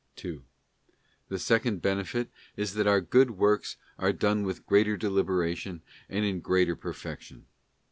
2. The second benefit is that our good works are done with greater deliberation and in greater perfection.